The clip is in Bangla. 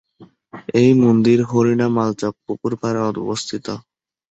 এই মন্দির হরিণা মালচক্ পুকুর পাড়ে অবস্থিত।